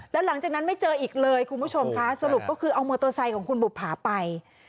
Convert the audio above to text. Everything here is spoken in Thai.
แล้วหลังจากนั้นไม่เจออีกเลยคุณผู้ชมค่ะสรุปก็คือเอามอเตอร์ไซค์ของคุณบุภาไป